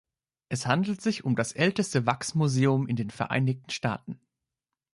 Es handelt sich um das älteste Wachsmuseum in den Vereinigten Staaten.